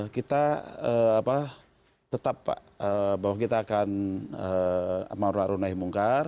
kita tetap bahwa kita akan amar makruf naibungkar